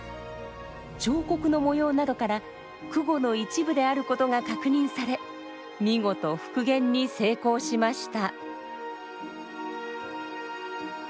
彫刻の模様などから箜篌の一部であることが確認され見事復元に成功しました。